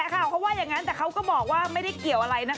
เกษ่ห์ข่าวเขาว่าอย่างนั้นแต่เขาก็บอกว่าไม่ได้เกี่ยวอะไร